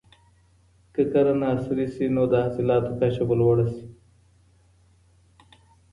که کرنه عصري سي نو د حاصلاتو کچه به لوړه سي.